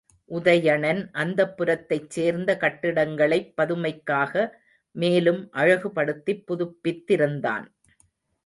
உதயணன் அந்தப்புரத்தைச் சேர்ந்த கட்டிடங்களைப் பதுமைக்காக மேலும் அழகுபடுத்திப் புதுப்பித்திருந்தான்.